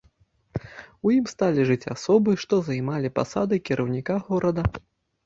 У ім сталі жыць асобы, што займалі пасады кіраўніка горада.